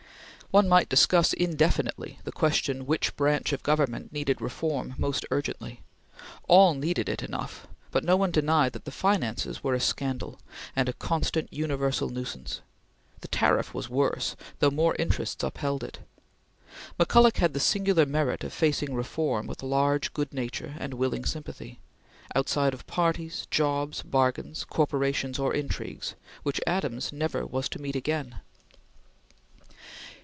One might discuss indefinitely the question which branch of government needed reform most urgently; all needed it enough, but no one denied that the finances were a scandal, and a constant, universal nuisance. The tariff was worse, though more interests upheld it. McCulloch had the singular merit of facing reform with large good nature and willing sympathy outside of parties, jobs, bargains, corporations or intrigues which Adams never was to meet again.